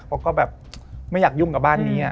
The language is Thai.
เพราะก็แบบไม่อยากยุ่งกับบ้านนี้